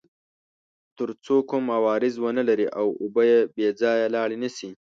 تر څو کوم عوارض ونلري او اوبه بې ځایه لاړې نه شي.